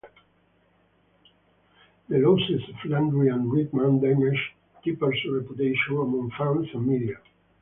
The losses of Landry and Redman damaged Tepper's reputation among fans and media.